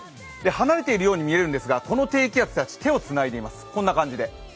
離れているように見えるんですが、この低気圧たち、手をつないでいます。